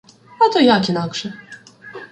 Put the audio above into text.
А то як інакше.